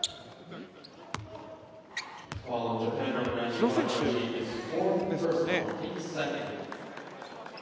須田選手ですかね？